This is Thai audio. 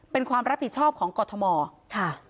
เป็นความรับผิดชอบของกรทมค่ะ